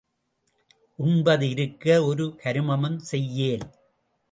உண்பது இருக்க ஒரு கருமம் செய்யேல்.